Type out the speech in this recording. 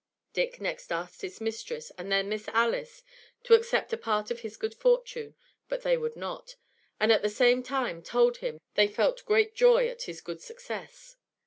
Dick next asked his mistress, and then Miss Alice, to accept a part of his good fortune; but they would not, and at the same time told him they felt great joy at his good success.